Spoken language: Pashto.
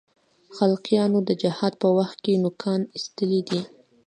خلقیانو د جهاد په وخت کې نوکان اېستلي دي.